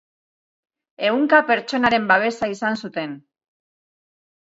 Ehunka pertsonaren babesa izan zuten.